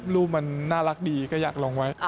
รูปมันน่ารักดีก็อยากลงไว้